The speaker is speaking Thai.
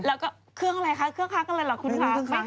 แล้วก็เครื่องอะไรคะเครื่องพักอะไรเหรอคุณคะ